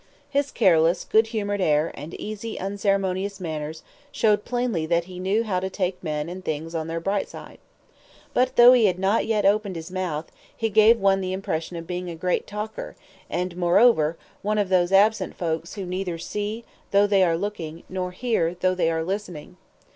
His careless, good humored air, and easy, unceremonious manners, showed plainly that he knew how to take men and things on their bright side. But though he had not yet opened his mouth, he gave one the impression of being a great talker, and moreover, one of those absent folks who neither see though they are looking, nor hear though they are listening.